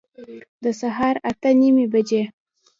د سهار اته نیمي بجي